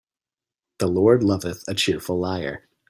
The Lord loveth a cheerful liar.